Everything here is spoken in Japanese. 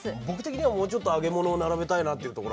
僕的にはもうちょっと揚げ物を並べたいな。